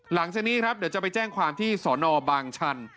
หลังจากนี้ครับเดี๋ยวจะไปแจ้งความที่สอนอบางชัน